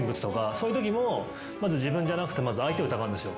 そういうときもまず自分じゃなくて相手を疑うんですよ。